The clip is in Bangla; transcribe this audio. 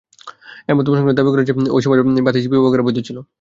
এ মত পোষণকারীরা দাবি করেছেন যে, ঐ সময় ভাতিজী বিবাহ করা বৈধ ছিল।